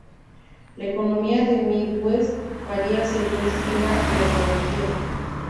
La economía del Mid West varía según el clima y la geografía.